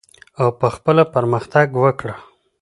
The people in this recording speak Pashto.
او په خپله پرمختګ وکړه.